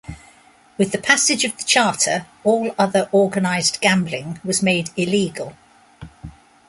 With the passage of the charter, all other organized gambling was made illegal.